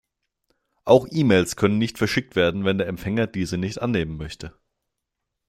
Auch E-Mails können nicht verschickt werden, wenn der Empfänger diese nicht annehmen möchte.